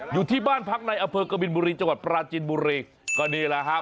อยู่ที่บ้านพักในอเฟอร์เกาวิลบุรีจรังนี้ล่ะฮะ